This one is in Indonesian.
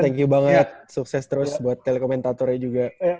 thank you banget sukses terus buat telekomentatornya juga